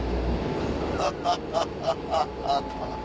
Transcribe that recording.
ハハハハ！